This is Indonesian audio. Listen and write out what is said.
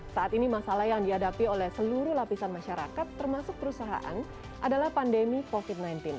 saat ini masalah yang dihadapi oleh seluruh lapisan masyarakat termasuk perusahaan adalah pandemi covid sembilan belas